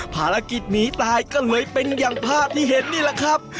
ภารกิจหนีตายก็เลยเป็นอย่างภาพที่เห็นนี่แหละครับ